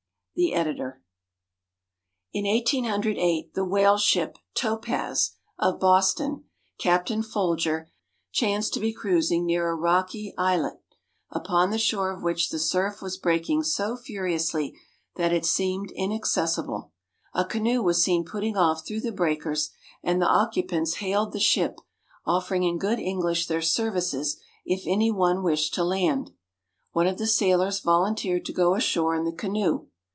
The Editor] In 1808 the whale ship Topaz, of Boston, Captain Folger, chanced to be cruising near a rocky islet, upon the shore of which the surf was breaking so furiously that it seemed inaccessible. A canoe was seen putting off through the breakers, and the occupants hailed the ship, offering in good English their services if any one wished to land. One of the sailors volunteered to go ashore in the canoe.